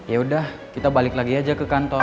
ya udah kita balik lagi aja ke kantor